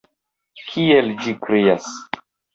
Kiel ĝi krias!